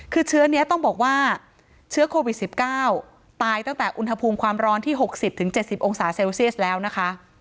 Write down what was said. คือเชื้อนี้ต้องบอกว่าเชื้อโควิด๑๙ตายตั้งแต่อุณหภูมิความร้อนที่๖๐๗๐องศาเซลเซียสแล้วนะคะ